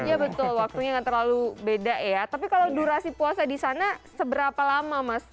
iya betul waktunya nggak terlalu beda ya tapi kalau durasi puasa di sana seberapa lama mas